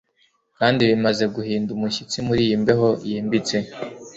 Kandi bimaze guhinda umushyitsi muriyi mbeho yimbitse